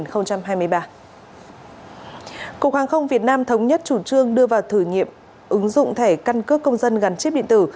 cục hàng không việt nam thống nhất chủ trương đưa vào thử nghiệm ứng dụng thẻ căn cước công dân gắn chip điện tử